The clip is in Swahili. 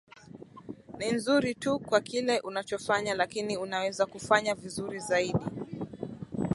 ni nzuri tu kwa kile unachofanya lakini unaweza kufanya vizuri zaidi